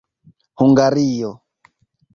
hungario